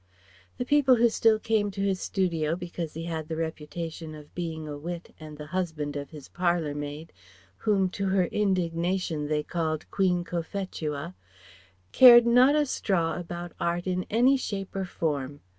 The people who still came to his studio because he had the reputation of being a wit and the husband of his parlour maid (whom to her indignation they called Queen Cophetua) cared not a straw about Art in any shape or form.